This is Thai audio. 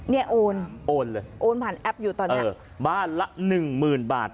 นี่โอนโอนผ่านแอปอยู่ตอนนี้ครับโอนเลยเออบ้านละ๑๐๐๐๐บาท